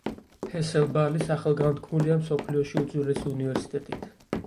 ფეს-ელ-ბალი სახელგანთქმულია მსოფლიოში უძველესი უნივერსიტეტით.